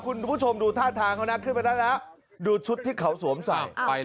คุณผู้ชมดูท่าทางเขานะขึ้นไปได้แล้วดูชุดที่เขาสวมใส่ไปนะ